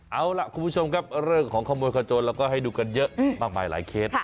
เอาล่ะคุณผู้ชมครับเรื่องของขโมยขจนเราก็ให้ดูกันเยอะมากมายหลายเคส